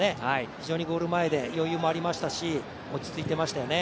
非常にゴール前で余裕もありましたし落ち着いてましたよね。